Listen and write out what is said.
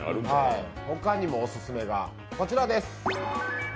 他にもおすすめがこちらです。